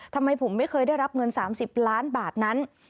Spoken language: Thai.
ทำไมผมไม่เคยได้รับเงิน๓๐ล้านบาทนั้น